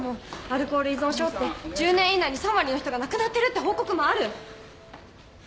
アルコール依存症って１０年以内に３割の人が亡くなってるって報告もある。